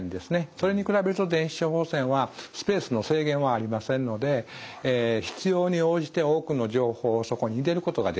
それに比べると電子処方箋はスペースの制限はありませんので必要に応じて多くの情報をそこに入れることができる。